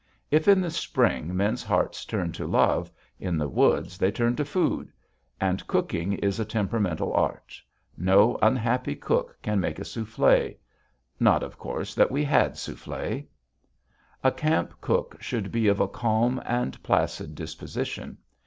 If, in the spring, men's hearts turn to love, in the woods they turn to food. And cooking is a temperamental art. No unhappy cook can make a soufflé. Not, of course, that we had soufflé. A camp cook should be of a calm and placid disposition.